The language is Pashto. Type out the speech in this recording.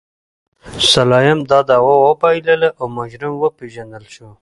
سلایم دا دعوه وبایلله او مجرم وپېژندل شو.